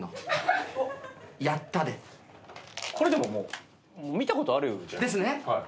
これでももう見たことあるじゃないですか。ですね。ですよね。